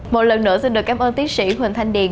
một lần nữa xin được cảm ơn tiến sĩ huỳnh thanh điền